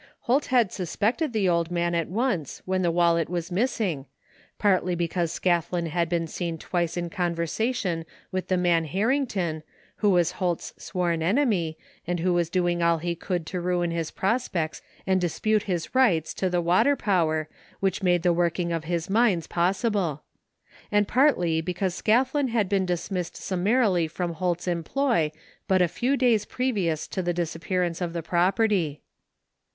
Holt had suspected the old man at once when the wallet was missing, partly because Scathlin had been seen twice in conversation with the man Harrington who was Holt's sworn enemy and who was doing all he could to ruin his prospects and dispute his rights to the water power which made the working of his mines possible; and partly because Scathlin had been dis missed summarily from Holt's employ but a few days iwevious to the disappearance of the property.